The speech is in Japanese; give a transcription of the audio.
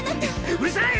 うるさい！